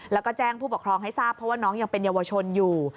แล้วก็แจ้งผู้ปกครองให้ทราบเพราะว่าน้องยังเป็นเยาวชนอยู่